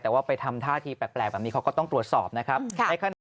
แต่ว่าไปทำท่าทีแปลกแบบนี้เขาก็ต้องตรวจสอบนะครับ